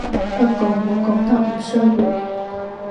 不過我覺得唔需要